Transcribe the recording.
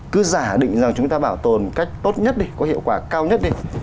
cứ giả định rằng chúng ta bảo tồn cách tốt nhất đi có hiệu quả cao nhất đi